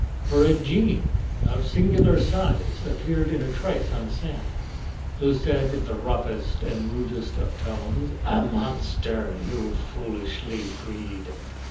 For a genie of singular size Appeared in a trice on the sand, Who said in the roughest and rudest of tones: "A monster you've foolishly freed!